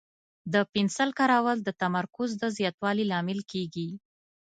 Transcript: د پنسل کارول د تمرکز د زیاتوالي لامل کېږي.